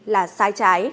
là sai trái